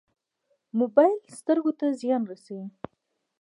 موبایل سترګو ته زیان رسوي